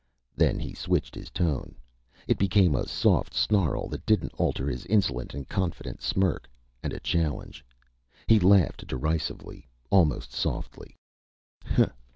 Then he switched his tone. It became a soft snarl that didn't alter his insolent and confident smirk and a challenge. He laughed derisively, almost softly.